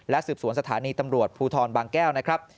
สืบสวนสถานีตำรวจภูทรบางแก้วนะครับ